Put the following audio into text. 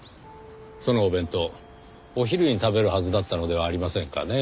そのお弁当お昼に食べるはずだったのではありませんかねぇ。